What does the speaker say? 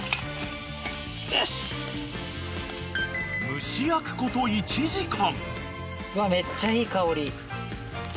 ［蒸し焼くこと１時間］